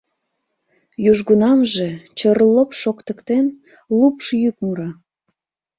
Южгунамже, чрлоп шоктыктен, лупш йӱк мура.